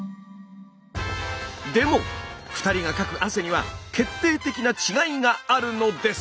でも２人がかく汗には決定的な違いがあるのです。